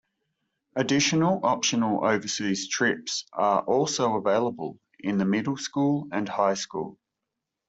Additional optional overseas trips are also available in the middle school and high school.